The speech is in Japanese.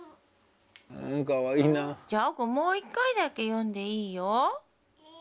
じゃあもう一回だけ読んでいいよ。いいよ。